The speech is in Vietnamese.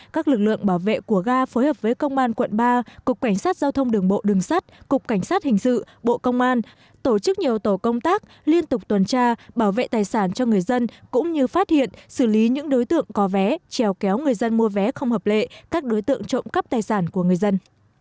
các lực lượng bảo vệ của ga phối hợp với công an quận ba cục cảnh sát giao thông đường bộ đường sắt cục cảnh sát hình sự bộ công an tổ chức nhiều tổ công tác liên tục tuần tra bảo vệ tài sản cho người dân cũng như phát hiện xử lý những đối tượng có vé trèo kéo người dân mua vé không hợp lệ các đối tượng trộm cắp tài sản của người dân